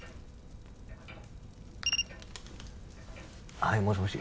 はいもしもし？